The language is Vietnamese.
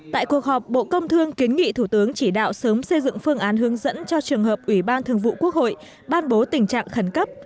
tại cuộc họp bộ công thương kiến nghị thủ tướng chỉ đạo sớm xây dựng phương án hướng dẫn cho trường hợp ủy ban thường vụ quốc hội ban bố tình trạng khẩn cấp